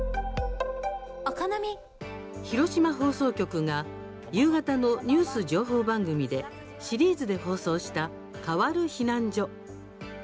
広島放送局が夕方のニュース情報番組でシリーズで放送した「変わる避難所」。